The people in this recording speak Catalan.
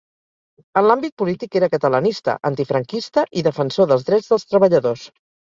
En l'àmbit polític era catalanista, antifranquista i defensor dels drets dels treballadors.